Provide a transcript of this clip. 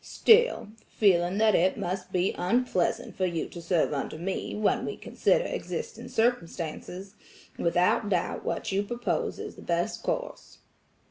"Still, feeling that it must be unpleasant for you to serve under me, when we consider existing circumstances, without doubt what you propose is the best course."